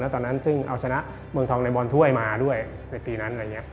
แล้วตอนนั้นซึ่งเอาชนะเมืองทองในบอลถ้วยมาด้วยในปีนั้น